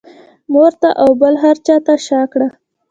مور ته او بل هر چا ته شا کړه.